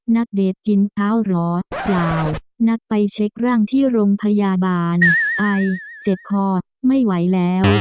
ณเดชน์กินข้าวเหรอเปล่านักไปเช็คร่างที่โรงพยาบาลไอเจ็บคอไม่ไหวแล้ว